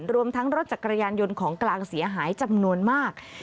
รวมทั้งรถจักรยานยนต์ของกลางเสียหายจำนวนมาก